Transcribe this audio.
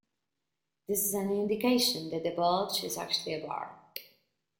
This is an indication that the bulge is actually a bar.